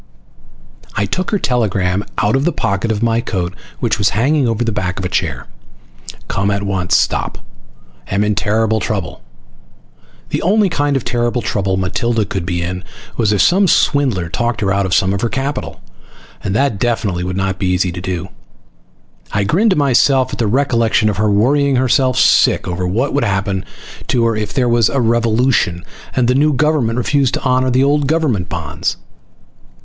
I took her telegram out of the pocket of my coat which was hanging over the back of a chair. COME AT ONCE STOP AM IN TERRIBLE TROUBLE ... The only kind of terrible trouble Matilda could be in was if some swindler talked her out of some of her capital! And that definitely would not be easy to do. I grinned to myself at the recollection of her worrying herself sick once over what would happen to her if there was a revolution and the new government refused to honor the old government bonds.